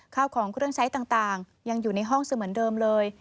ข้าวของเครื่องใช้ต่างยังอยู่ในห้องเสมือนเดิมเลย